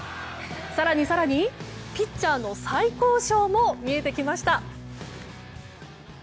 更に更に、ピッチャーの最高賞も見えてきました！